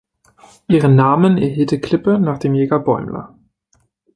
Ihren Namen erhielt die Klippe nach dem Jäger „Bäumler“.